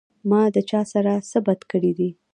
ما د چا سره څۀ بد کړي دي